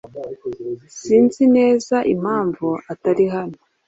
Sinzi neza impamvu atari hano.